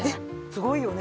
すごいよね。